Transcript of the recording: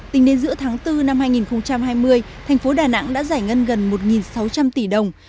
tính đến giữa tháng bốn năm hai nghìn hai mươi thành phố đà nẵng đã giải ngân gần một sáu trăm linh tỷ đồng